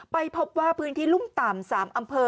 ไปพบว่าพื้นที่รุ่มต่ำ๓อำเภอ